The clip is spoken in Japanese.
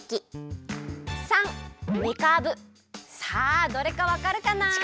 さあどれかわかるかな？